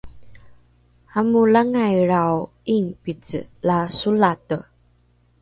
amolangailrao ’ingpice la solate